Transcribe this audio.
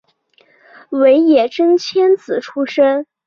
尾野真千子出身。